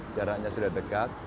jaraknya sudah dekat